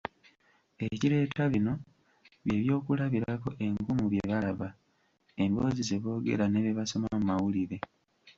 Ekireeta bino, bye byokulabirako enkumu bye balaba, emboozi ze boogera ne bye basoma mu mawulire.